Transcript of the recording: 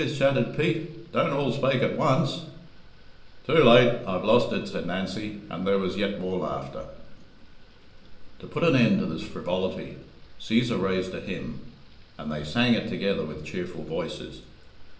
shouted Pete. "Don't all spake at once." "Too late I've lost it," said Nancy, and there was yet more laughter. To put an end to this frivolity, Cæsar raised a hymn, and they sang it together with cheerful voices.